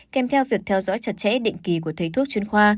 kèm theo việc theo dõi chặt chẽ định kỳ của thầy thuốc chuyên khoa